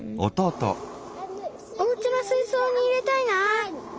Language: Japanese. おうちのすいそうに入れたいな。